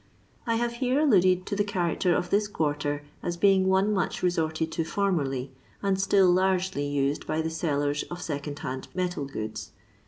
I have here alluded to the character of this quarter as being one much resorted to formerly, and still largely used by the sellers of second hand metal goods.